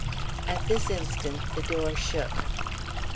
At this instant the door shook.